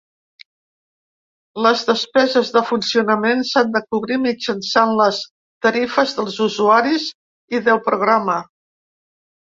Les despeses de funcionament s'han de cobrir mitjançant les tarifes dels usuaris i del programa.